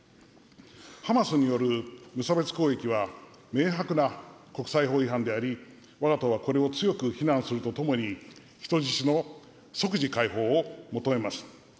ハマスによる無差別攻撃は明白な国際法違反であり、わが党はこれを強く非難するとともに、人質の即時解放を求めます。